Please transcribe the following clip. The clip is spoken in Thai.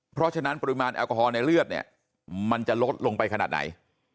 เพราะฉะนั้นปริมาณแอลกอฮอลในเลือดเนี่ยมันจะลดลงไปขนาดไหน